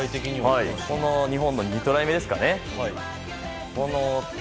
日本の２トライ目ですかね。